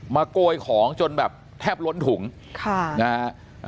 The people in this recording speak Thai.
โกยของจนแบบแทบล้นถุงค่ะนะฮะ